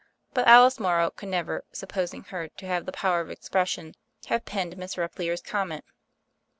But Alice Morrow could never — supposing her to have the power of expression — have penned Miss Repplier's comment.